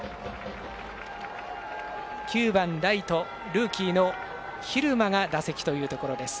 ９番ライト、ルーキーの蛭間が打席というところです。